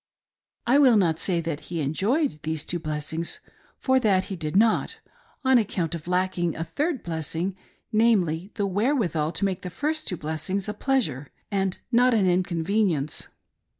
I will not say that he enjoyed these two blessings, for that he did not, on account of lacking a third blessing, namely, the where withal to make the first two blessings a pleasure, and not an inconvenience.